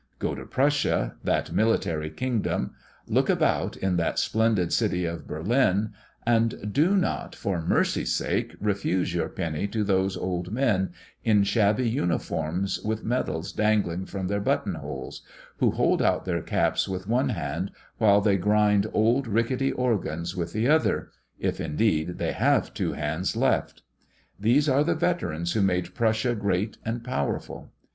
Go to Prussia, that military kingdom, look about in that splendid city of Berlin, and do not for mercy's sake refuse your penny to those old men, in shabby uniforms with medals dangling from their button holes, who hold out their caps with one hand while they grind old rickety organs with the other if indeed they have two hands left! These are the veterans who made Prussia great and powerful.